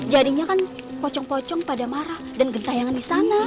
jadinya kan pocong pocong pada marah dan gentayangan di sana